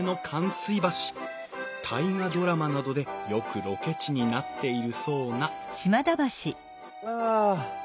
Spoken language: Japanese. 「大河ドラマ」などでよくロケ地になっているそうなあ。